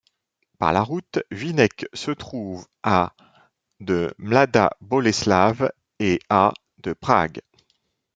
Par la route, Vinec se trouve à de Mladá Boleslav et à de Prague.